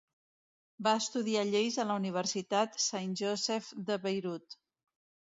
Va estudiar lleis a la universitat Saint Joseph de Beirut.